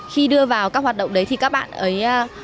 khi đưa vào các hoạt động đấy thì các bạn ấy